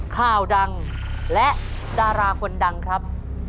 ข่าวดังและดาราคนดังครับ